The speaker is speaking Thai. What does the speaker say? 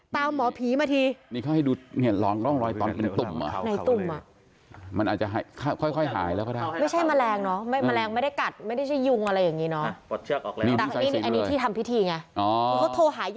ตามหมอผีมาทีนี่เขาให้ดูเหนียนร้องร่องรอยตอนเป็นตุ่มอ่ะ